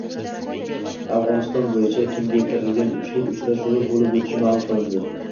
Afg‘oniston bo‘yicha “kengaytirilgan uchlik” uchrashuvi bo‘lib o‘tishi ma’lum qilinding